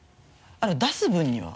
出す分には。